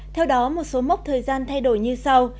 theo đó một số mốc thời gian thay đổi như sau